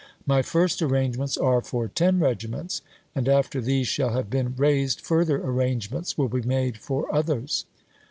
My first arrangements are for ten regiments, and after these shall have been '^t'anfon? raiscd further arrangements will be made for ^im.^' others."